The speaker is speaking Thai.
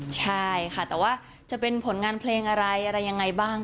ใช่ค่ะแต่ว่าจะเป็นผลงานเพลงอะไรอะไรยังไงบ้าง